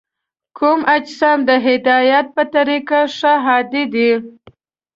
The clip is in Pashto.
کوم اجسام د هدایت په طریقه ښه هادي دي؟